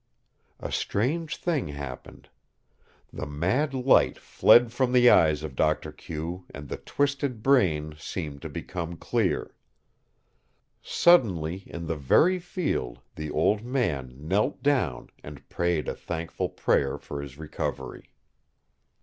A strange thing happened. The mad light fled from the eyes of Doctor Q and the twisted brain seemed to become clear. Suddenly in the very field the old man knelt down and prayed a thankful prayer for his recovery.